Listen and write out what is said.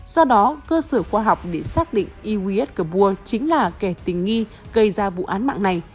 do đó cơ sở khoa học để xác định i w s kabur chính là kẻ tình nghi gây ra vụ án mạng này